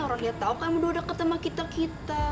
orangnya tau kan udah udah ketemu kita kita